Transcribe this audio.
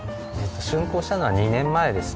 竣工したのは２年前ですね。